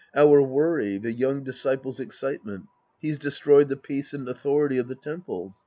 Our worry, the young disciples' excitement, — he's des troyed the peace and authority of the temple.